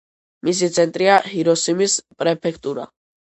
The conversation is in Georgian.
მისი ცენტრია ჰიროსიმის პრეფექტურა.